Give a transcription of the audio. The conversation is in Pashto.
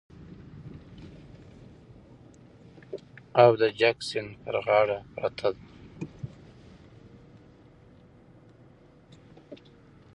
او د چک د سیند په غاړه پرته ده